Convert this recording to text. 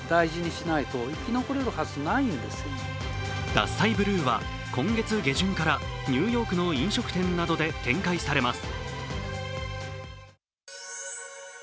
ＤＡＳＳＡＩＢＬＵＥは今月下旬からニューヨークの飲食店などで展開されます。